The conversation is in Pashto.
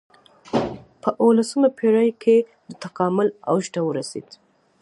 په اولسمه پېړۍ کې د تکامل اوج ته ورسېد.